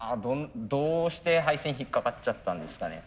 どうして配線引っ掛かっちゃったんですかね。